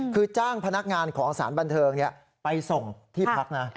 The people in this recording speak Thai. คือจ้างพนักงานของสารบันเทิงไปส่งที่พักนะ